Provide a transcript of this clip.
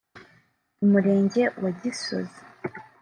Umurenge wa Gisozi